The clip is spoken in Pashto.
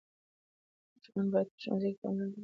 ماشوم باید په ښوونځي کې پاملرنه ترلاسه کړي.